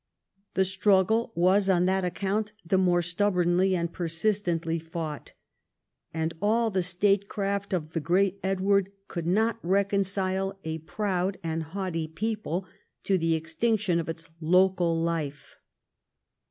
The struggle was on that account the more stubboi'nly and persistently fought. And all the statecraft of the great Edward could not reconcile a proud and haughty people to the ex tinction of its local life.